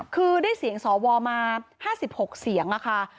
คือได้เสียงสวมา๕๖เสียงค่ะ